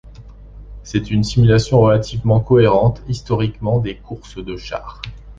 C'est une simulation relativement cohérente historiquement des courses de char.